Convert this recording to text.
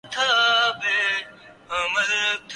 جن کے لیے فری لانسنگ ان کا